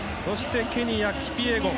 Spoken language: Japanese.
ケニアのキピエゴン。